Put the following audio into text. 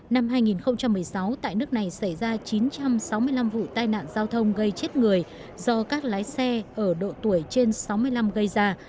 năm hai nghìn một mươi sáu tại nước này xảy ra chín trăm sáu mươi năm vụ tai nạn giao thông gây chết người do các lái xe ở độ tuổi trên sáu mươi năm gây ra